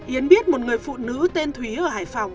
yến biết một người phụ nữ tên thúy ở hải phòng